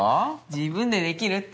自分でできるって。